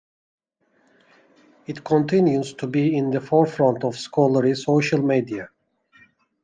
It continues to be in the forefront of scholarly social media.